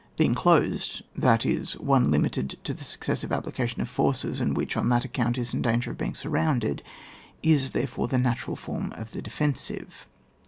The enclosed, that is, one limited to the successive application of forces, and which, on that account, is in danger of being surrounded, is, therefore, the natural form of the defensive.